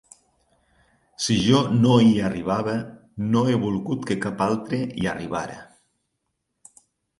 Si jo no hi arribava, no he volgut que cap altre hi arribara.